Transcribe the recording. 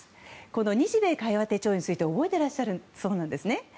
この「日米會話手帳」について覚えてらっしゃるそうなんですね。